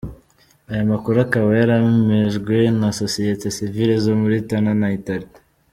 Aya makuru akaba yaremejjwe na Sosiyete Sivile zo muri Tana na Itala.